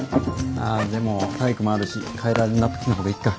ああでも体育もあるし替えられるナプキンの方がいいか。